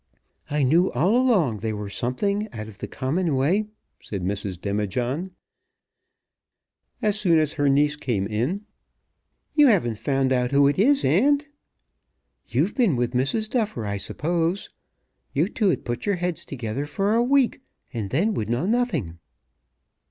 "I knew all along they were something out of the common way," said Mrs. Demijohn as soon as her niece came in. "You haven't found out who it is, aunt?" "You've been with Mrs. Duffer, I suppose. You two'd put your heads together for a week, and then would know nothing."